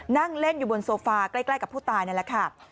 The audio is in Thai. นั่งเล่นอยู่บนโซฟาใกล้กับผู้ตายนั่นแหละค่ะ